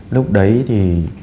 lúc đấy thì